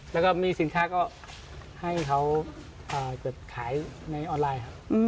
แล้วก็หนี้สินค้าก็ให้เขาจดขายในออนไลน์ครับ